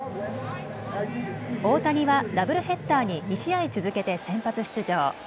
大谷はダブルヘッダーに２試合続けて先発出場。